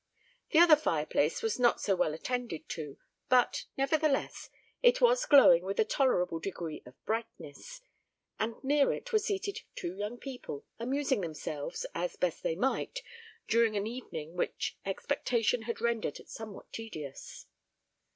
The other fire place was not so well attended to, but, nevertheless, it was glowing with a tolerable degree of brightness, and near it were seated two young people, amusing themselves, as best they might, during an evening which expectation had rendered somewhat tedious.